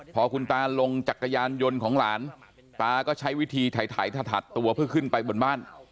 พอคุณตาลงจักรยานยนต์ของหลานตาก็ใช้วิธีไถถัดตัวเพื่อขึ้นไปบนบ้าน